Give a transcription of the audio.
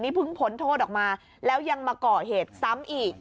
เพิ่งพ้นโทษออกมาแล้วยังมาก่อเหตุซ้ำอีก